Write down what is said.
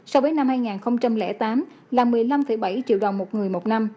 so với năm hai nghìn tám là một mươi năm bảy triệu đồng một người một năm